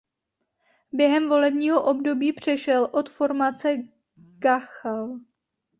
Během volebního období přešel do formace Gachal.